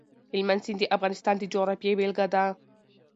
هلمند سیند د افغانستان د جغرافیې بېلګه ده.